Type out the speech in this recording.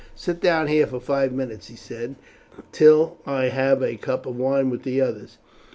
"Sit down here for five minutes," he said, "till I have a cup of wine with the others.